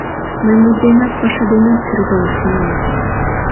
— Мый мут денат, паша денат кредалаш тӱҥалам!